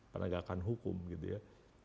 penegakan hukum gitu ya